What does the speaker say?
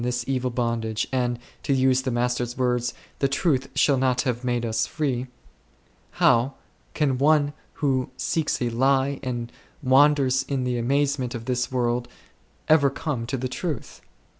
this evil bondage, and, to use the Master's words, " the truth shall not have made us free," how can one who seeks a lie and wanders in the maze off this world ever come to the truth